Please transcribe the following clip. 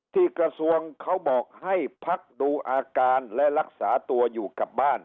ที่กระทรวงเขาบอกให้พักดูอาการและรักษาตัวอยู่กับบ้าน